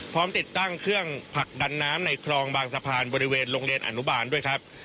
ติดตั้งเครื่องผลักดันน้ำในคลองบางสะพานบริเวณโรงเรียนอนุบาลด้วยครับ